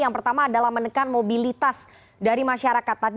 yang pertama adalah menekan mobilitas dari masyarakat tadi